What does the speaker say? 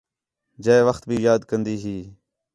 جئے وخت بھی یاد کندی ہی